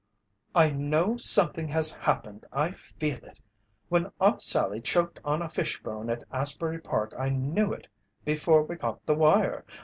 "I know something has happened! I feel it! When Aunt Sallie choked on a fish bone at Asbury Park I knew it before we got the wire.